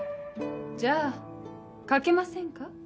じゃあ賭けませんか？